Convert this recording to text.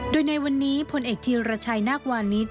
โดยในวันนี้พลเอกธีรชัยนาควานิส